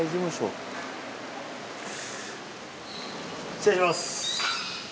失礼します。